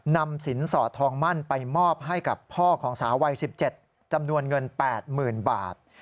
นำสินสอดทองมั่นไปมอบให้กับพ่อของสาววัย๑๗จำนวนเงิน๘๐๐๐บาท